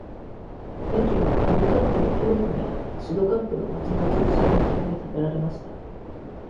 駅はラムカップの教区にあるシドカップの町の中心の北に建てられました。